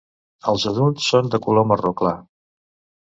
Els adults són de color marró clar.